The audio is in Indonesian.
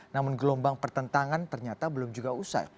namun gelombang pertentangan ternyata belum juga usai